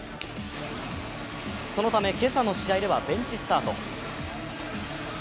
そのため、今朝の試合ではベンチスタート。